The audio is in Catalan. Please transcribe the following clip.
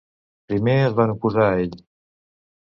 Primer es van oposar a ell.